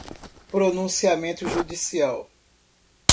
pronunciamento judicial